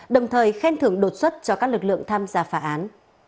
đồng thời khen thưởng đột xuất cho các lực lượng tham gia phá án